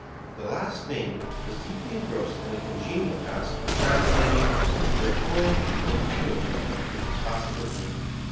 The last named was deeply engrossed in the congenial task of translating "Der Konig in Thule '' into classical Greek.